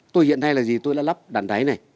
tôi hiện nay là gì tôi đã lắp đàn đáy này